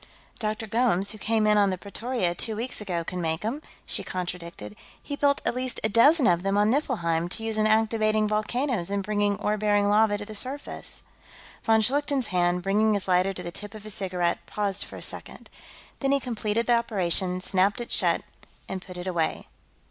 "Dr. Gomes, who came in on the Pretoria, two weeks ago, can make them," she contradicted. "He built at least a dozen of them on Niflheim, to use in activating volcanoes and bringing ore bearing lava to the surface." Von Schlichten's hand, bringing his lighter to the tip of his cigarette, paused for a second. Then he completed the operation, snapped it shut, and put it away.